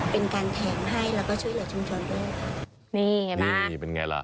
เป็นการแถมให้แล้วก็ช่วยเหลือชุมชนด้วย